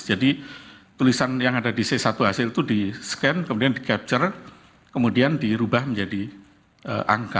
jadi tulisan yang ada di c satu hasil itu di scan kemudian di capture kemudian di rubah menjadi angka